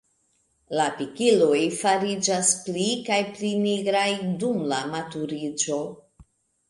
La pikiloj fariĝas pli kaj pli nigraj dum la maturiĝo.